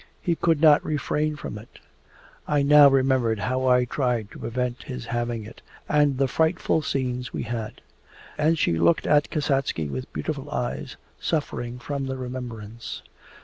He could not refrain from it. I now remember how I tried to prevent his having it, and the frightful scenes we had!' And she looked at Kasatsky with beautiful eyes, suffering from the remembrance.